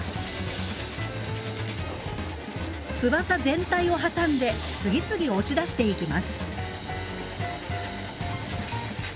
翼全体を挟んで次々押し出していきます。